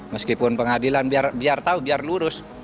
meskipun pengadilan biar tahu biar lurus